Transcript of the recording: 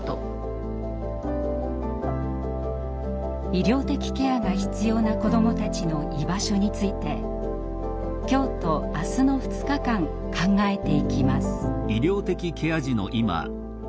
医療的ケアが必要な子どもたちの居場所について今日と明日の２日間考えていきます。